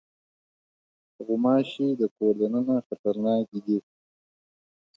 غوماشې د کور دننه خطرناکې دي.